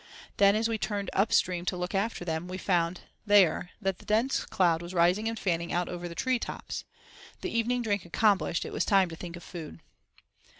Then, as we turned up stream to look after them, we found that there the dense cloud was rising and fanning out over the tree tops. The evening drink accomplished, it was time to think of food.